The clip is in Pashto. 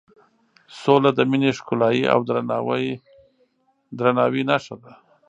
سوله د مینې د ښکلایې او درناوي نښه ده.